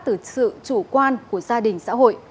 từ sự chủ quan của gia đình xã hội